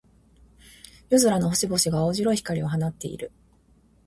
夜空の星々が、青白い光を放っている。